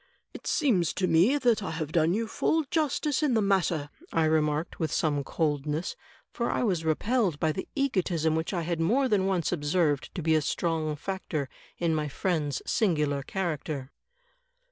"It seems to me that I have done you full justice in the matter," I remarked, with some coldness, for I was repelled by the egotism which I had more than once observed to be a strong factor in my friend's singular character.